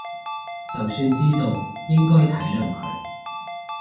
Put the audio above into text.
就算知道應該體諒佢